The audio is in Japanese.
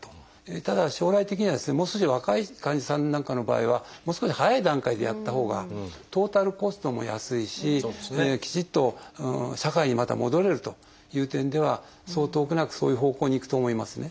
ただ将来的にはですねもう少し若い患者さんなんかの場合はもう少し早い段階でやったほうがトータルコストも安いしきちっと社会にまた戻れるという点ではそう遠くなくそういう方向にいくと思いますね。